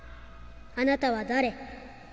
あなたは誰？